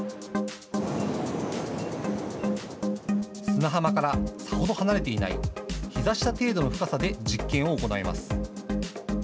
砂浜からさほど離れていないひざ下程度の深さで実験を行います。